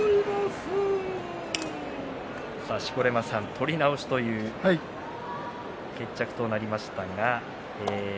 取り直しという決着となりました。